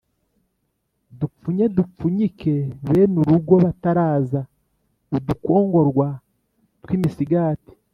Dupfunye tudupfunyike bene urugo bataraza-Udukongorwa tw'imisigati.